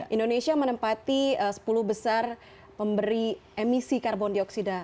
indonesia menempati sepuluh besar pemberi emisi karbon dioksida